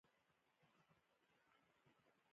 هغوی یوځای د حساس شعله له لارې سفر پیل کړ.